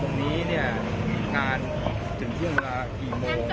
วันนี้จะมีประกาศบิ๊กสเซอร์ไพรส์อะไรไหมฮะ